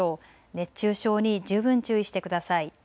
熱中症に十分注意してください。